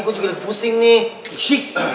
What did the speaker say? gue juga udah pusing nih